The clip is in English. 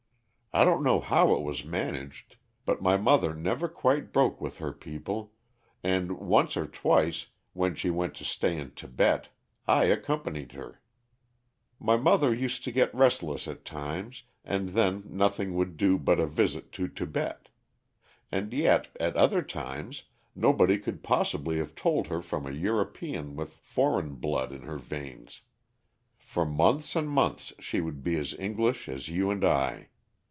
I don't know how it was managed, but my mother never quite broke with her people, and once or twice, when she went to stay in Tibet, I accompanied her. "My mother used to get restless at times, and then nothing would do but a visit to Tibet. And yet, at other times, nobody could possibly have told her from a European with foreign blood in her veins. For months and months she would be as English as you and I.